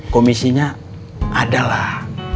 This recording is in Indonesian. komisinya ada lah